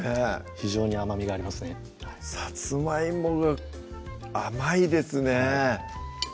非常に甘みがありますねさつまいもが甘いですね